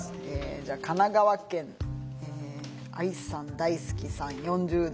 じゃあ神奈川県ＡＩさん大好きさん４０代。